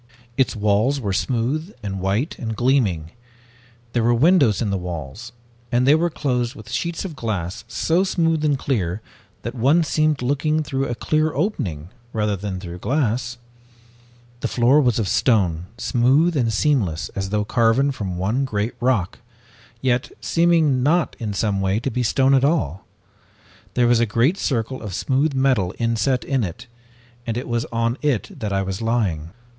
"Its walls were smooth and white and gleaming. There were windows in the walls, and they were closed with sheets of glass so smooth and clear that one seemed looking through a clear opening rather than through glass. The floor was of stone, smooth and seamless as though carven from one great rock, yet seeming not, in some way, to be stone at all. There was a great circle of smooth metal inset in it, and it was on it that I was lying.